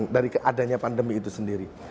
dari keadanya pandemi itu sendiri